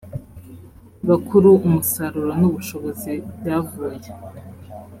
bakuru umusaruro n ubushobozi byavuye